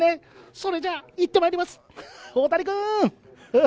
それじゃあ、行ってまいります。